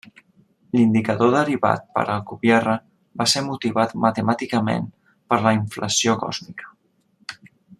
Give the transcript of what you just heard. L'indicador derivat per Alcubierre va ser motivat matemàticament per la inflació còsmica.